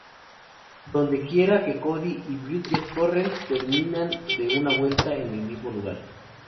Donde quiera que Cody y Bridget corren, terminan de vuelta en el mismo lugar.